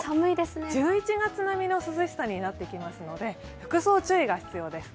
１１月並みの涼しさになってきますので、服装、注意が必要です。